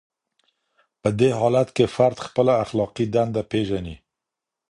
په دې حالت کي فرد خپله اخلاقي دنده پېژني.